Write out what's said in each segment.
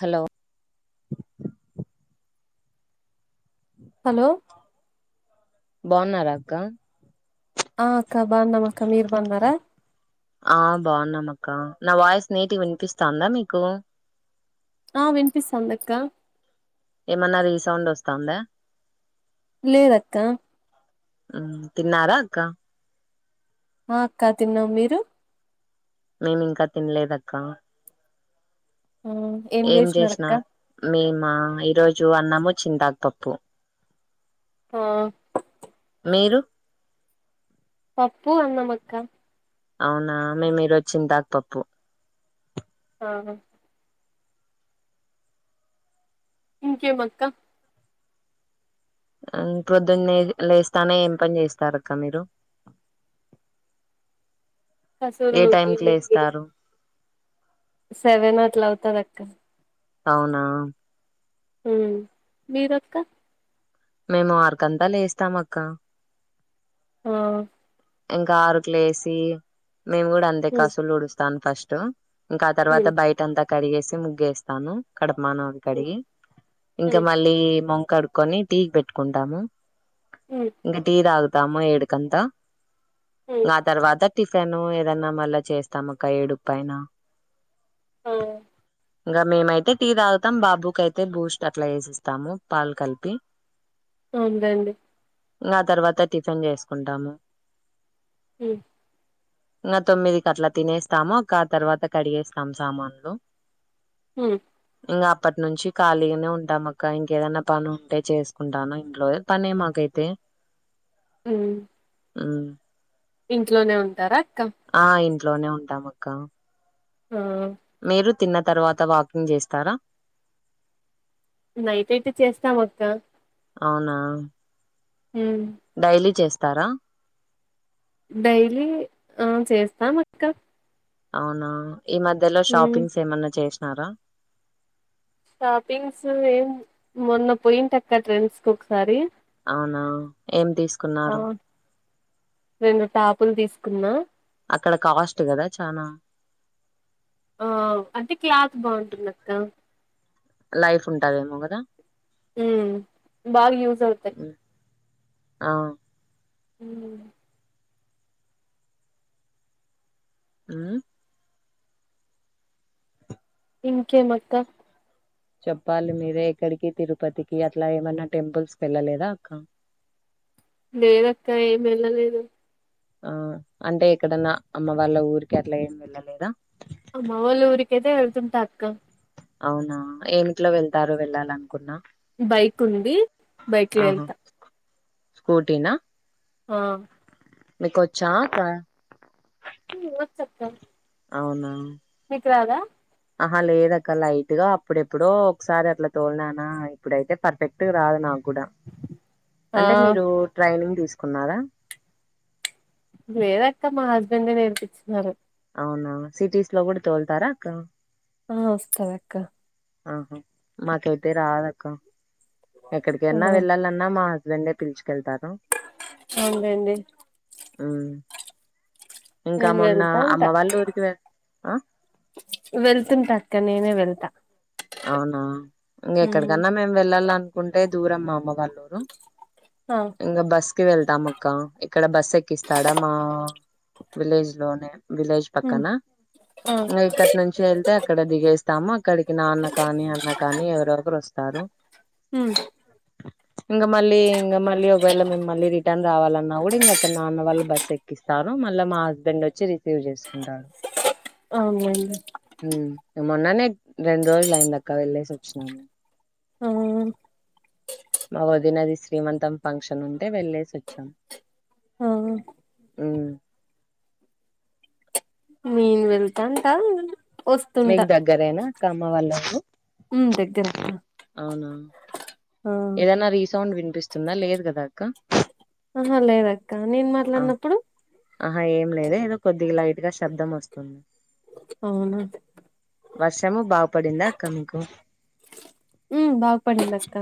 hello hello బావున్నారా అక్క ఆ అక్క బావున్నాం అక్క మీరు బావున్నారా ఆ బాగున్నామక్క నా వాయిస్ నీటిగా వినిపిస్తాందా మీకు ఆ విన్పిస్తాందక్క ఏమన్నా రీసౌండ్ వస్తాందా లేదక్క ఉమ్ తిన్నారా అక్క ఆ అక్క తిన్నాం మీరు నేనింక తినలేదు అక్క ఆ ఏం చేసిన చేసినారక్క మీమ ఈరోజు అన్నము చింతాకు పప్పు ఆ మీరు పప్పు అన్నం అక్క అవునా మేం ఈరోజు చింతాకు పప్పు ఆ ఇంకేం అక్క పొద్దున్న లేస్తానే ఏం పని చేస్తారు అక్క మీరు [inaudible] ఏ టైం కసూర్లోకి కి ముగ్గి లేస్తారు సెవెన్ అట్లా అవుతాది అక్క అవునా మీరు అక్క మేము ఆరు కంత లేస్తాము అక్క ఆ ఇంకా ఆరుకు లేసి మేము కూడా అంతే ఉమ్ కసువులు ఉడుస్తాను ఫస్ట్ ఇంకా ఆ తర్వాత ఉమ్ బయట అంతా కడిగేసి ముగ్గేస్తాను కడ మాను అవి కడిగి ఇంకా ఉమ్ మళ్ళీ మొఖం కడుక్కొని టీ కి పెట్టుకుంటాము ఉమ్ ఇంక టీ తాగుతాము ఏడుకంత ఉమ్ ఆ తర్వాత టిఫెన్ ఏదన్నా మళ్ళా చేస్తాం అక్క ఏడు పైన ఆ ఇంగా మీమైతే టీ తాగుతాం బాబుకు అయితే బూస్ట్ అట్లా ఏసిస్తాము పాలు కలిపి అవును లెండి ఇంగా ఆ తర్వాత టిఫిన్ చేసుకుంటాము మ్మ్ ఇంగా తొమ్మిది కట్లా తినేస్తాము అక్క ఆ తర్వాత కడిగేస్తాము సామాన్లు మ్మ్ ఇంగా అప్పటి నుంచి ఖాళీగానే ఉంటాం అక్క ఇంకేదన్న పని ఉంటే చేసుకుంటాను ఇంట్లో పనే మాకైతే [inaudible] అవున మ్మ్ ఇంట్లోనే ఉంటారా అక్క ఆ ఇంట్లోనే ఉంటాం అక్క ఆ మీరు తిన్న తర్వాత వాకింగ్ చేస్తారా నైట్ అయితే చేస్తాం అక్క అవునా ఉమ్ డైలీ చేస్తారా డైలీ ఆ చేస్తాం అక్క అవునా ఈ మధ్యలో ఉమ్ షాపింగ్స్ ఏమన్నా చేసినారా షాపింగ్స్ ఏం మొన్న పోయింటి అక్క ట్రెండ్స్ కు ఒకసారి అవునా ఏం ఆ తీసుకున్నారు రెండు టాపులు తీసుకున్నా అక్కడ కాస్ట్ కదా చానా ఆ అంటే క్లాత్ బాగుంటుందక్క లైట్ ఉంటదేమో కదా ఉ బాగ యూజ్ అవుతాయి ఉమ్ ఆ హు మ్ ఇంకేం అక్క చెప్పాలి మీరే ఎక్కడికి తిరుపతికి అట్ల ఏమన్నా టెంపుల్స్ కి వెళ్ళలేదా అక్క లేదక్కా ఎమి వెళ్లలేదు ఆ అంటే ఎక్కడన్నా అమ్మ వాళ్ళ ఊరికి అట్ల ఏమి వెళ్ళలేదా అమ్మ వాళ్ల ఊరికే అయితే వెలుతుంటా అక్క అవునా ఏమిట్లో వెళ్తారు వెళ్ళాలనుకున్నా బైక్ ఉంది బైక్ లో వెళ్తా స్కూటీ న హా మీకు వచ్చాక్క ఉ వచ్చక్క అవున క్ రాద అహ లేదక్క లైట్ గా అప్పుడెప్పుడో ఒకసారి అట్ల తోలినాన ఇప్పుడైతే పర్ఫెక్ట్ రాదు నాకు ఆ అంటే మీరు ట్రైనింగ్ తీస్కున్నార లేదక్క మా హస్బెండె నేర్పిించినారు అవున సిటీస్ లో కూడ తోల్తారా అక్క ఆ వస్తదక్క ఆహ మాకైతే రాదక్క ఆ ఎక్కడికైన వెళ్ళాలన్నా మా దెండే పిల్చుకెళ్తారు అవునులేండి నేన్ వెళ్తా ఉంట వాళ్ళ ఊరికి వె ఆ వెళ్తుంటా ఇక నేనె వెళ్తా అవున ఇంక ఎక్కడికన్నా మేము వెళ్ళాలనుకుంటే దూరమ్ మా అమ్మ వాళ్ళు ఆ ఇంక బస్ కి వెళ్తాము అక్క ఇక్కడ బస్ ఎక్కిస్తాడ మా విలేజ్ లోనే విలేజ్ ఉమ్ పక్కన ఆ ఇక్కడి నుంచి వెళ్తే అక్కడ దిగేస్తాము అక్కడికి నాన్న అన్నా కానీ ఎవరొకరు వస్తారు హుమ్ ఇంక మళ్ళీ ఇంక మళ్ళీ ఒకవేళ మేము మళ్ళీ రిటర్న్ రావాలన్నా కూడ ఇంకా నాన్న వాళ్ళు బస్సు ఎక్కిస్తా మళ్ళ మా హస్బెండ్ వచ్చి రిసీవ్ చేసుకుంటారు అవునండి ఉమ్ మొన్ననే రెండు రోజులు అయిందక్కా వెళ్లేేసి వచ్చినాము ఆ మా వదినది శ్రీమంతం ఫంక్షన్ ఉంటే వెళ్లేేసి వచ్చాం ఆ ఉమ్ నేన్ వెళ్తాంట మీక్ దగ్గరేన కమ్మ వాళ్ళ ఊరు ఉమ్ దగ్గరక్క అవునా ఆ ఏదనా రీసౌండ్ వినిపిస్తుందా లేదు కదా అక్క అహా లేదక్క నేన్ ఆ మాట్లాడినప్పుడు ఆహా ఏం లేదు ఏదో కొద్దిగా లైట్ గా శబ్దం వస్తుంది అవునా వర్షం బాగా పడిందా అక్క మీకు బాగా పడింది అక్క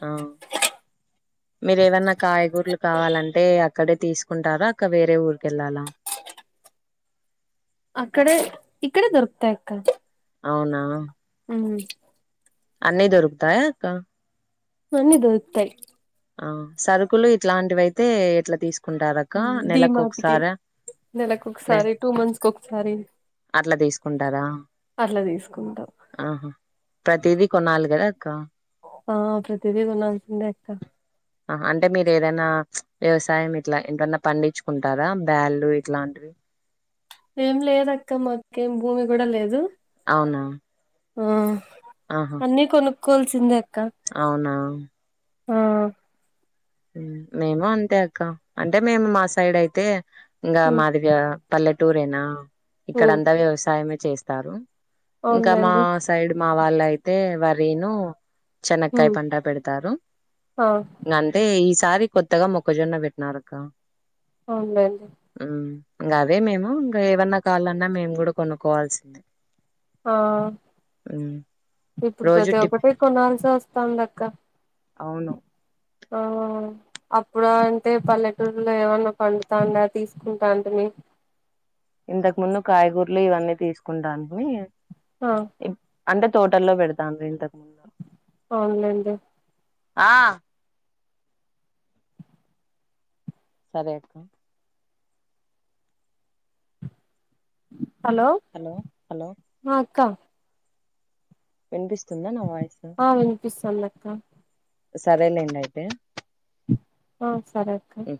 అ మీరు ఏదన్నా కాయగూరలు కావాలంటే అక్కడే తీసుకుంటారా అక్క వేరే ఊరిక వెళ్ళాలా [unintelligible] అక్కడ ఇక్కడే దొరుకుతాయి అక్క అవునా ఉ అన్ని దొరుకుతాయా అక్క అన్ని దొరుకుతాయి ఆ సరుకులు ఇట్లాంటివి అయితే ఇట్లా తీసుకు డిమార్ట్ కి నెలకు నె ఒకసారి టూ మంత్స్ కి ఒకసారి అట్లా తీసుకుంటారా అట్లా తీసుకుంటాం ఆహా ప్రతిదీ కొనాలా కదా అక్క ఆ ప్రతిదీ కొనాల్సిందే అక్క హా అంటే మీరు ఏదైనా వ్యవసాయం ఇట్లా ఏంటన్నా పండించుకుంటారా బ్యాలు ఇట్లాంటివి [unintelligible] ఏం లేద అక్క మాకి భూమి కూడా లేదు అవునా ఆ ఆహా అన్నీ కొనుక్కోవాల్సిందే అక్క అవునా ఆ మేము అంతే అక్క అంటే మేము మా సైడ్ అయితే ఇంకా ఉమ్ మాదిగా పల్లె ట్టూరేనా ఇక్కడ ఉమ్ అంతా వ్యవసాయమే చేస్తారు ఇంకా మా అవునులేండి సైడ్ మా వాళ్ళ అయితే వరేను చెనక్కాయ ఉమ్ పంట పెడతారు ఆ అం ఈసారి కొత్తగా మొక్కజొన్న పెట్టినారు అక్కా అవునులే ఇంకా అవే మేము ఇంకా ఏమన్నా కావాలన్నా మేము కూడా కొనుక్కోవాల్సిందే ఆ ఉమ్, ఇప్పుడు రోజు ప్రతి టిప్ ఒక్కటి కొన్నరుసస్తాం కోనల్సివస్తుండి అక్క అవును ఆఓ అప్పుడు అంటే పల్లెటూరులో ఏమన్నా పండుతాండా తీసుకుంటా అంటని ఇంతకు ముందు కాయగూరలు ఇవన్నీ తీసుకుంటడాని ఆ అంటే తోటల్లో పెడతాండ్రి ఇంతకముంధ అవునులేండి ఆ సరే అక్క అ హలో హలో అక్క వినిపిస్తుందా నా వాయసు వినిపిస్తోంది అక్క సరేలేంది అయితే హా సరే అక్క ఉ